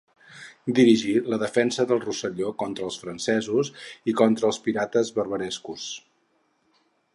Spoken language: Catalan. Dirigí la defensa del Rosselló contra els francesos i contra els pirates barbarescos.